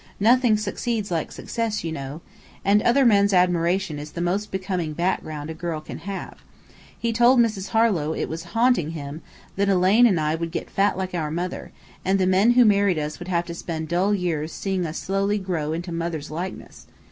Nothing succeeds like success, you know. And other men's admiration is the most becoming background a girl can have. He told Mrs. Harlow it was haunting him, that Elaine and I would get fat like our mother, and the men who married us would have to spend dull years seeing us slowly grow into mother's likeness.